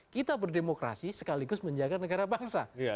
kita berdemokrasi sekaligus menjaga negara bangsa